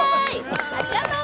ありがとう。